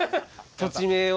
土地名を。